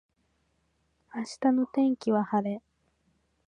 明日の天気は晴れ。